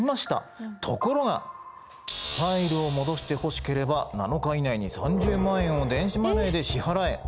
ところが『ファイルを戻してほしければ７日以内に３０万円を電子マネーで支払え』。